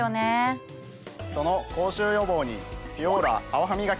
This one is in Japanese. その口臭予防に。